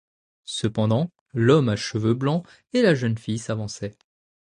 Cependant, l’homme à cheveux blancs et la jeune fille s’avançaient.